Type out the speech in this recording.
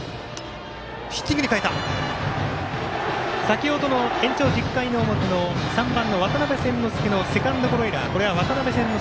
先ほどの延長１０回の表の３番の渡邉千之亮のセカンドゴロエラー渡邉千之